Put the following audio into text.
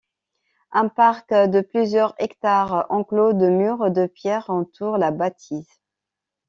Un parc de plusieurs hectares, enclos de murs de pierre, entoure la bâtisse.